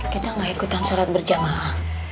kejang gak ikutan sholat berjamaah